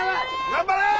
頑張れ！